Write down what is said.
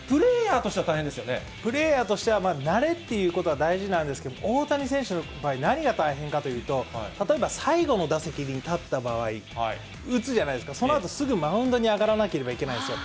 でも、プレーヤーとしては、慣れっていうことは大事なんですけれども、大谷選手の場合、何が大変かというと、例えば最後の打席に立った場合、打つじゃないですか、そのあとすぐマウンドに上がらなきゃいけないんですよ。